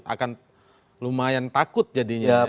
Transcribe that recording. akan lumayan takut jadinya